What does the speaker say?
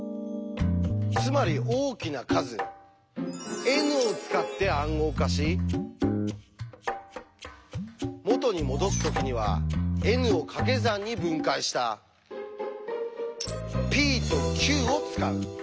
つまり大きな数Ｎを使って暗号化し元にもどす時にはＮをかけ算に分解したｐとｑを使う。